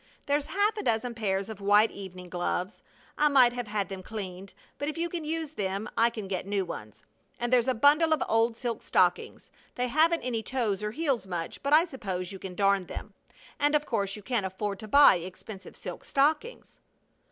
There's half a dozen pairs of white evening gloves! I might have had them cleaned, but if you can use them I can get new ones. And there's a bundle of old silk stockings! They haven't any toes or heels much, but I suppose you can darn them. And of course you can't afford to buy expensive silk stockings!"